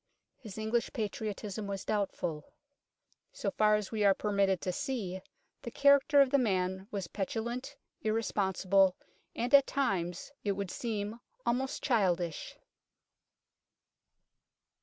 His English patriotism was doubtful. So far as we are per mitted to see, the character of the man was petulant, irresponsible, at times it would seem almost childish.